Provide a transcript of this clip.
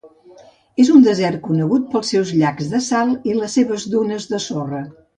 És un desert conegut pels seus llacs de sal i les seves dunes de sorra.